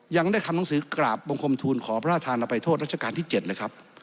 ยังได้ทำหนังสือกราบบังคมทูลขอพระราชทานอภัยโทษรัชกาลที่๗เลยครับ